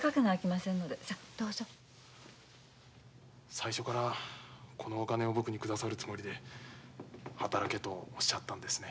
最初からこのお金を僕に下さるつもりで働けとおっしゃったんですね。